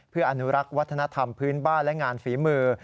เพื่ออนุรักษ์วัฒนธรรมพื้นบ้านและงานฝีมือ